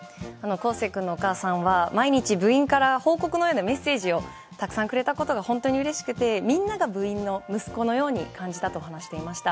孝成君のお母さんは毎日、部員から報告のようなメッセージをたくさんくれたことが本当にうれしくてみんなが部員の息子のように感じたと話していました。